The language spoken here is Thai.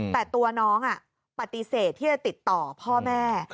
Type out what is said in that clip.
แต่ตัวน้องปฏิเสธที่จะติดต่อพ่อแม่